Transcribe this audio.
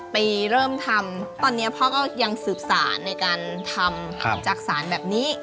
ไปเริ่มทำตอนนี้พ่อก็ยังสืบสารในการทำจักษานแบบนี้